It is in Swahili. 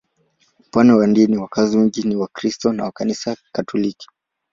Upande wa dini, wakazi wengi ni Wakristo wa Kanisa Katoliki.